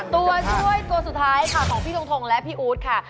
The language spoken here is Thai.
ตัวช่วยตัวสุดท้ายค่ะของพี่ทงทงและพี่อู๊ดค่ะ